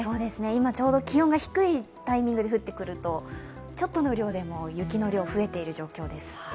ちょうど気温が低いタイミングで降ってくるとちょっとの量でも雪の量、増えている状況です。